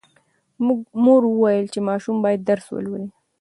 مور وویل چې ماشوم باید درس ولولي.